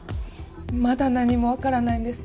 まだ何もわからないんですか？